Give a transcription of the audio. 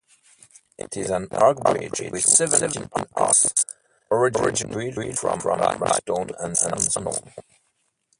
It is an arch bridge with seventeen arches, originally built from limestone and sandstone.